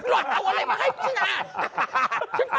หล่อเอาอะไรมาให้ฉันอ่าน